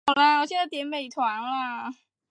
新阿瓜多西是巴西北大河州的一个市镇。